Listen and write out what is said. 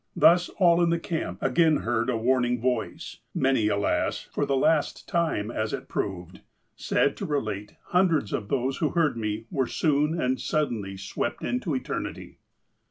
Thus, all in the camp again heard a warning voice, many, alas, for the last time, as it proved. Sad to relate, hundreds of those who heard me were soon and suddenly swept into eternity."